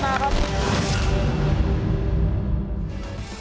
ขอให้มีนี้คนรักษามาครับ